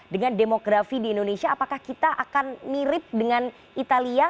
dengan demografi di indonesia apakah kita akan mirip dengan italia